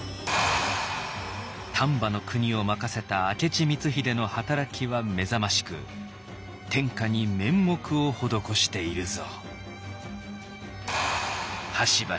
「丹波国を任せた明智光秀の働きはめざましく天下に面目を施しているぞ」。